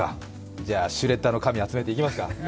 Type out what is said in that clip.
じゃあシュレッダーの紙、集めていきますか。